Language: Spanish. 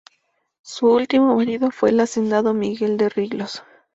Su último marido fue el hacendado Miguel de Riglos.